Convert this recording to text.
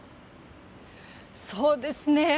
そうですね。